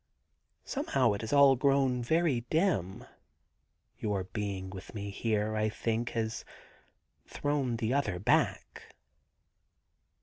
Somehow it has all grown very dim. Your being with me here, I think, has thrown the other back.'